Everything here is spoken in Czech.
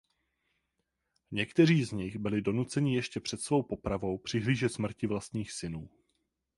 Někteří z nich byli donuceni ještě před svou popravou přihlížet smrti vlastních synů.